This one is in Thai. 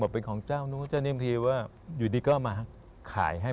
เป็นของเจ้านู้นเจ้านี้บางทีว่าอยู่ดีก็มาขายให้